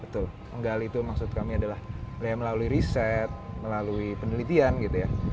betul penggali itu maksud kami adalah melalui riset melalui penelitian gitu ya